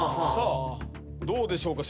どうでしょうか？